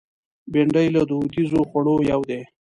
بېنډۍ له دودیزو خوړو یو دی